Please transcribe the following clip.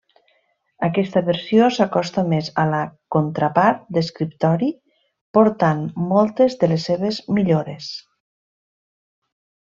Aquesta versió s'acosta més a la contrapart d'escriptori, portant moltes de les seves millores.